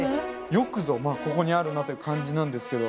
よくぞまぁここにあるなという感じなんですけど。